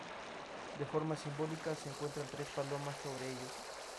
De forma simbólica, se encuentran tres palomas sobre ellos.